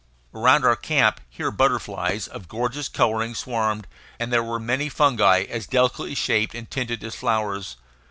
Around our camp here butterflies of gorgeous coloring swarmed, and there were many fungi as delicately shaped and tinted as flowers.